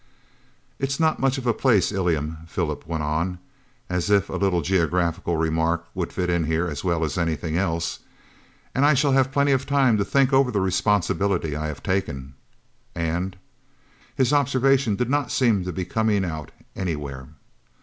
"It's not much of a place, Ilium," Philip went on, as if a little geographical remark would fit in here as well as anything else, "and I shall have plenty of time to think over the responsibility I have taken, and " his observation did not seem to be coming out any where.